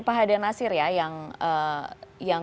pak haidar nasir ya yang